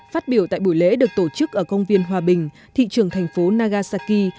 phát biểu tại buổi lễ được tổ chức ở công viên hòa bình thị trường thành phố nagasaki